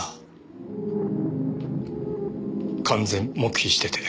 完全黙秘してて。